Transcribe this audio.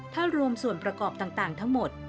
ถ้ารวมส่วนประกอบต่างทั้งหมด